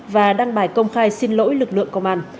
và đăng bài công khai xin lỗi lực lượng công an